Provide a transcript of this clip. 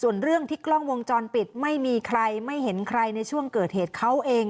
ส่วนเรื่องที่กล้องวงจรปิดไม่มีใครไม่เห็นใครในช่วงเกิดเหตุเขาเอง